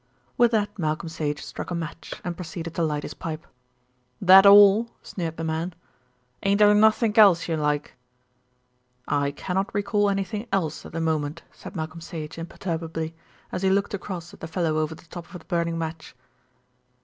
With that Malcolm Sage struck a match and proceeded to light his pipe. "That all?" sneered the man. "Ain't there nothink else you'd like?" "I cannot recall anything else at the moment," said Malcolm Sage imperturbably, as he looked across at the fellow over the top of the burning match.